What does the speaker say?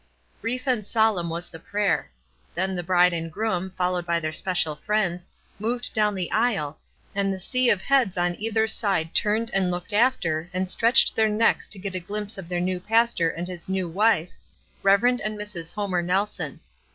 Brief and solemn was the prayer ; then the 364 WISE AND OTHERWISE. bride and groom, followed by their special friends, moved down the aisle, and the sea of heads on either side turned and looked after, and stretched their necks to get a glimpse of their new pastor and his new wife, Rev. and Mrs. Homer Nelson.